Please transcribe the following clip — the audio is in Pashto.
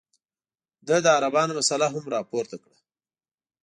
ده د عربانو مسله هم راپورته کړه.